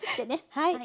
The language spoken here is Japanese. はい。